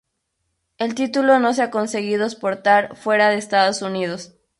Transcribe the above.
El título no se ha conseguido exportar fuera de Estados Unidos.